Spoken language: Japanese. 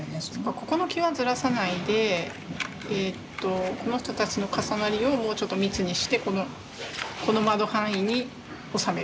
ここの際はずらさないでこの人たちの重なりをもうちょっと密にしてこの窓範囲に収める。